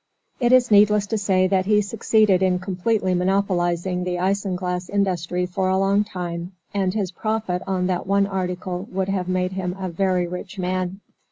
It is needless to say that he succeeded in completely monopolizing the isinglass industry for a long time, and his profit on that one article would have made him a very rich man.